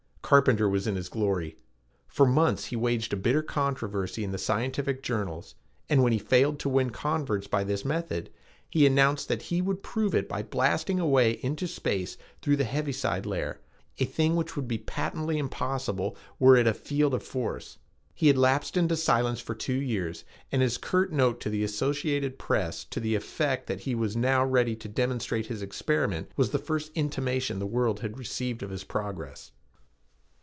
Carpenter was in his glory. For months he waged a bitter controversy in the scientific journals and when he failed to win converts by this method, he announced that he would prove it by blasting a way into space through the heaviside layer, a thing which would be patently impossible were it a field of force. He had lapsed into silence for two years and his curt note to the Associated Press to the effect that he was now ready to demonstrate his experiment was the first intimation the world had received of his progress.